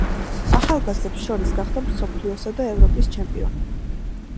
ახალგაზრდებს შორის გახდა მსოფლიოსა და ევროპის ჩემპიონი.